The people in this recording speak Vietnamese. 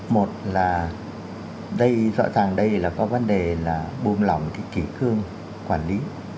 một là rõ ràng đây là có vấn đề là buông lỏng cái kỳ cương quản lý